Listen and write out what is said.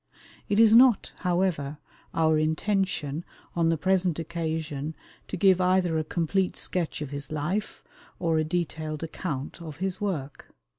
It is not, however, our intention on the present occasion to give either a complete sketch of his life, or a detailed account of his work.